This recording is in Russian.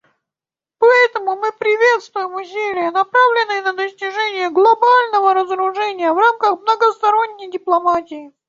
Поэтому мы приветствуем усилия, направленные на достижение глобального разоружения в рамках многосторонней дипломатии.